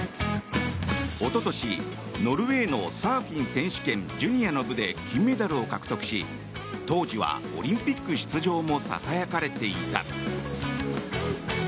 一昨年ノルウェーのサーフィン選手権ジュニアの部で金メダルを獲得し当時は、オリンピック出場もささやかれていた。